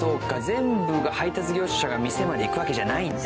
全部が配達業者が店まで行くわけじゃないんだ。